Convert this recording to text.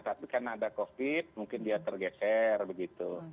tapi karena ada covid mungkin dia tergeser begitu